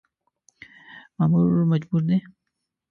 مامور مجبور دی .